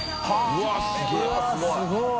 うわすごい！